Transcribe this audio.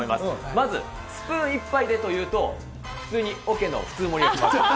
まずスプーン１杯でと言うと、普通におけの普通盛りに。